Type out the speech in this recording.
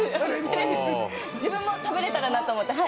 自分も食べれたらなと思って。